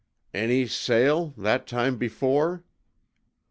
'Any sail that time before?'